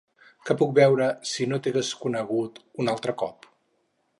Què puc veure "Si no t'hagués conegut" un altre cop?